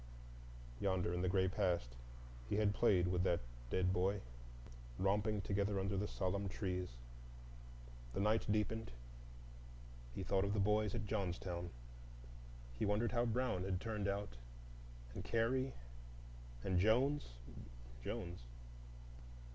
Yonder in the gray past he had played with that dead boy, romping together under the solemn trees. The night deepened; he thought of the boys at Johnstown. He wondered how Brown had turned out, and Carey? And Jones,—Jones?